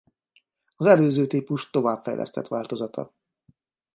Az előző típus továbbfejlesztett változata.